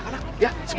ya kayak gitu